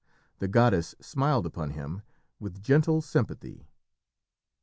The goddess smiled upon him with gentle sympathy.